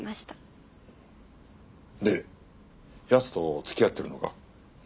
で奴と付き合ってるのか？